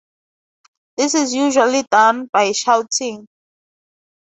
This is usually done by shouting.